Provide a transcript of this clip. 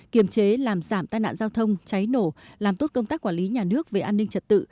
kiềm chế làm giảm tai nạn giao thông cháy nổ làm tốt công tác quản lý nhà nước về an ninh trật tự